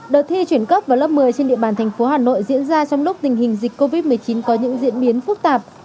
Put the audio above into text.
đợt thi chuyển cấp vào lớp một mươi trên địa bàn thành phố hà nội diễn ra trong lúc tình hình dịch covid một mươi chín có những diễn biến phức tạp